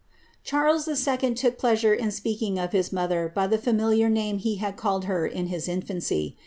"' Charles II. took pleasure in speaking of his mother by the familiar name he called her in his infancy.